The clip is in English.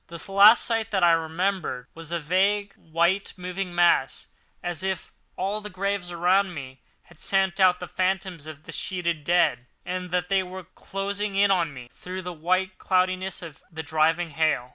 The last sight that I remembered was a vague, white, moving mass, as if all the graves around me had sent out the phantoms of their sheeted dead, and that they were closing in on me through the white cloudiness of the driving hail.